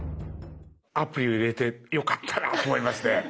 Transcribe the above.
アプリを入れてよかったなと思いますね。